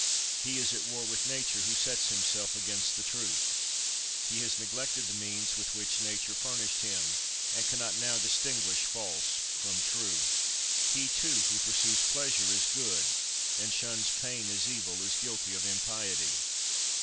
He is at war with Nature who sets himself against the truth. He has neglected the means with which Nature furnished him, and cannot now distinguish false from true. He, too, who pursues pleasure as good, and shuns pain as evil, is guilty of impiety.